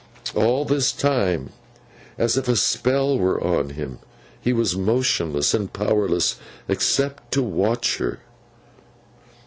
All this time, as if a spell were on him, he was motionless and powerless, except to watch her.